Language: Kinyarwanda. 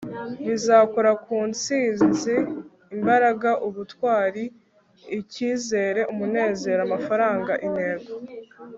bizakora ku ntsinzi imbaraga ubutwari icyizere umunezero amafaranga intego